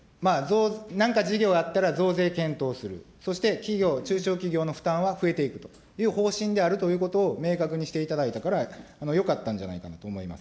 なんか事業あったら増税検討する、そして企業、中小企業の負担は増えていくという方針であるということを明確にしていただいたから、よかったんじゃないかなと思います。